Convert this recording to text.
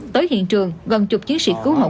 tới hiện trường gần chục chiến sĩ cứu hộ